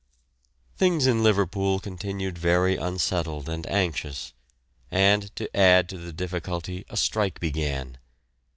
Things in Liverpool continued very unsettled and anxious, and to add to the difficulty a strike began.